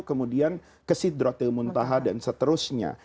kemudian kesidratil muntaha dan seterusnya